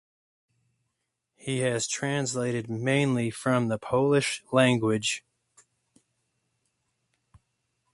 He has translated mainly from the Polish language.